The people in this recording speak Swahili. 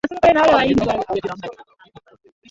Mkoa una Halmashauri za wilaya Saba na ya Manispaa moja